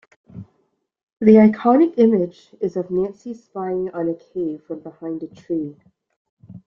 The iconic image is of Nancy spying on a cave from behind a tree.